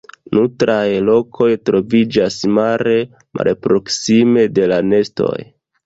Nutraj lokoj troviĝas mare malproksime de la nestoj.